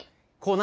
何